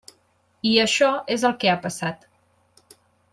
I això és el que ha passat.